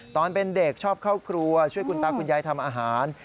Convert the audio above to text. ตอนเป็นเด็กชอบเข้าครัวช่วยคุณตาคุณยายทำอาหาร